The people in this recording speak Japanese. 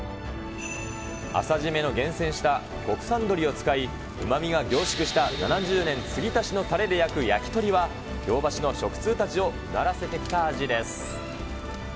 朝じめの厳選した国産鶏を使い、うまみが凝縮した７０年継ぎ足しのタレで焼く焼き鳥は、日本橋の食通たちをうならせてきた味です。